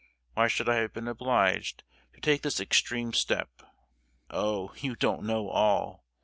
Why should I have been obliged to take this extreme step? Oh! you don't know all!